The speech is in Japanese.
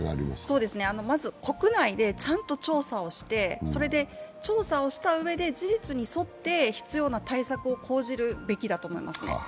まず、国内でちゃんと調査をして、調査をしたうえで事実に沿って必要な対策を講じるべきだと思いますね。